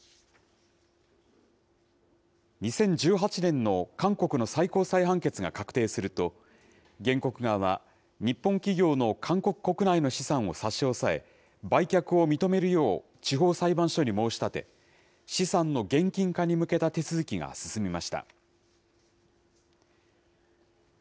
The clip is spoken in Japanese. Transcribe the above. ２０１８年の韓国の最高裁判決が確定すると、原告側は、日本企業の韓国国内の資産を差し押さえ、売却を認めるよう地方裁判所に申し立て、資産の現金化に向けた手続きが進みました。